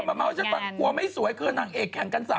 เอ้ยผมมาวาชาติหัวไม่สวยคือนางเอกกัน๓๔คนไง